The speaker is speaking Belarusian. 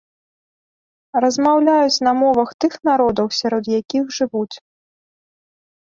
Размаўляюць на мовах тых народаў, сярод якіх жывуць.